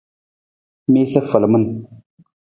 Miisa falaman.